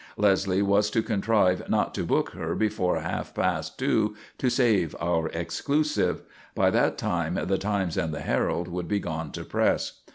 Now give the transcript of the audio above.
Leslie was to contrive not to book her before half past two to save our "exclusive." By that time the Times and the Herald would be gone to press.